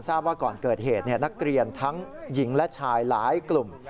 ทุกคนที่ทราบว่าก่อนเกิดเหตุนักเรียนทั้งหญิงและชายหลายกลุ่ม